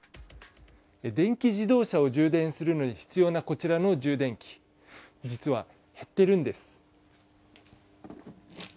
電気自動車を充電するのに必要なこちらの充電器、実は減っているんです。